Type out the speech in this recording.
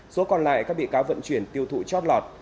số còn lại các bị cáo vận chuyển tiêu thụ chót lọt